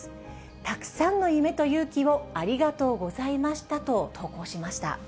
たくさんの夢と勇気をありがとうございましたと投稿しました。